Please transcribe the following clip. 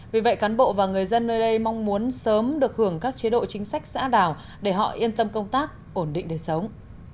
vì vậy cán bộ và người dân nơi đây mong muốn sớm được hưởng các chế độ chính sách xã đảo để họ yên tâm công tác ổn định đời sống